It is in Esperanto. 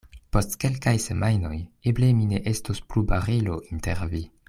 Post kelkaj semajnoj eble mi ne estos plu barilo inter vi.